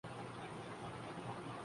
تگ و دو کے باوجود ووٹ نہ ملے